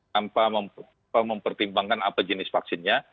tanpa mempertimbangkan apa jenis vaksinnya